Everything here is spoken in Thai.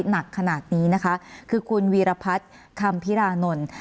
หนักขนาดนี้นะคะคือคุณวีรพัฒน์คำพิรานนท์